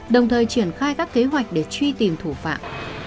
đồng thời triển khai các kế hoạch để truy tìm thủ phạm